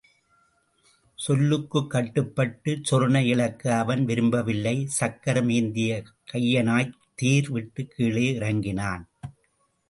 சொல்லுக்குக் கட்டுப்பட்டுச் சொரணை இழக்க அவன் விரும்பவில்லை சக்கரம் ஏந்திய கையனாய்த் தேர் விட்டுக் கீழே இறங்கினான்.